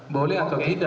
boleh atau tidak itu saja